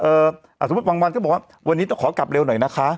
อ่าสมมุติบางวันก็บอกว่าวันนี้ต้องขอกลับเร็วหน่อยนะคะ